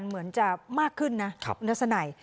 เหมือนจะมากขึ้นนัสไหน